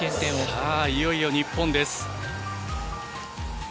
さあ、いよいよ日本です。